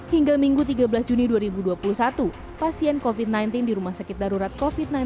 hingga minggu tiga belas juni dua ribu dua puluh satu pasien covid sembilan belas di rumah sakit darurat covid sembilan belas